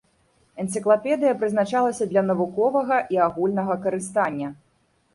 Энцыклапедыя прызначалася для навуковага і агульнага карыстання.